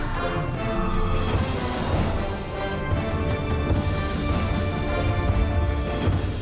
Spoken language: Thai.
โปรดติดตามตอนต่อไป